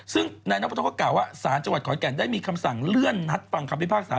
ซึ่งนายนพดก็กล่าวว่าสารจังหวัดขอนแก่นได้มีคำสั่งเลื่อนนัดฟังคำพิพากษา